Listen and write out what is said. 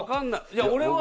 いや俺は。